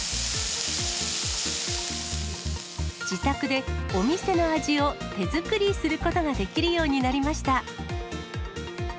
自宅でお店の味を手作りすることができるようになりました。